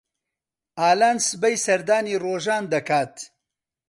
ئالان سبەی سەردانی ڕۆژان دەکات.